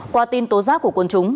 qua tin tố giác của quân chúng